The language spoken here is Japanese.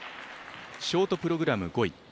ショートプログラム５位